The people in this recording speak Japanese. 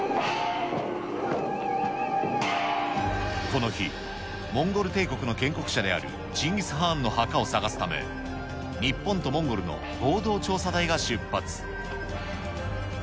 この日、モンゴル帝国の建国者であるチンギス・ハーンの墓を探すため、日本とモンゴルの合同調査隊が出発。